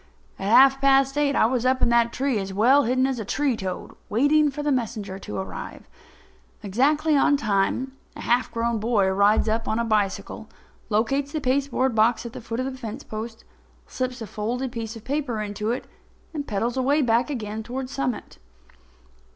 At half past eight I was up in that tree as well hidden as a tree toad, waiting for the messenger to arrive. Exactly on time, a half grown boy rides up the road on a bicycle, locates the pasteboard box at the foot of the fence post, slips a folded piece of paper into it and pedals away again back toward Summit.